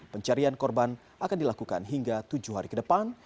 pencarian korban akan dilakukan hingga tujuh hari ke depan